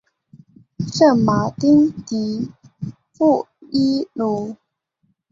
圣马丁迪富伊卢。